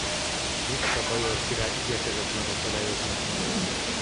Miksa bajor király igyekezett megakadályozni a frigyet.